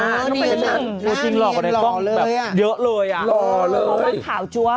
ต้องเป็นนั่งจริงหรอกค่ะเนี่ยก็แบบเยอะเลยอ่ะของบ้างขาวจั๊ว